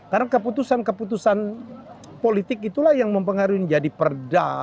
karena keputusan keputusan politik itulah yang mempengaruhi jadi perda